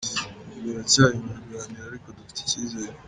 Ubu biracyari mu biganiro ariko dufite icyizere.